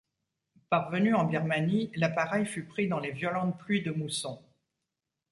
Parvenu en Birmanie, l’appareil fut pris dans les violentes pluies de mousson.